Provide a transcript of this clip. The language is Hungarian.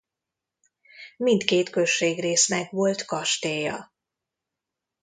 Mindkét községrésznek volt kastélya.